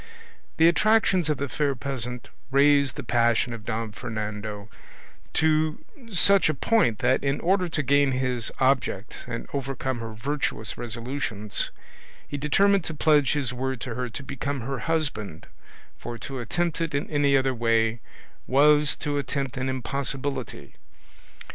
The attractions of the fair peasant raised the passion of Don Fernando to such a point that, in order to gain his object and overcome her virtuous resolutions, he determined to pledge his word to her to become her husband, for to attempt it in any other way was to attempt an impossibility.